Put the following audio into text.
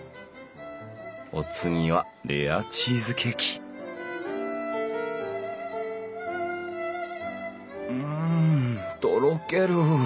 お次はレアチーズケーキうんとろける！